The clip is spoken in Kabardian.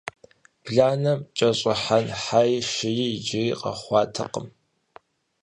Бланэм кӀэщӀыхьэн хьэи шыи иджыри къэхъуатэкъым.